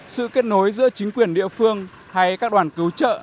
sự kết nối giữa chính quyền địa phương hay các đoàn cứu trợ